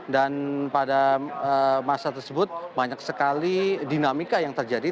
dan pada masa tersebut banyak sekali dinamika yang terjadi